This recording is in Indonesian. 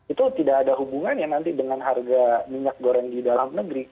itu tidak ada hubungannya nanti dengan harga minyak goreng di dalam negeri